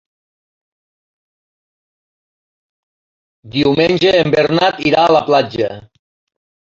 Diumenge en Bernat irà a la platja.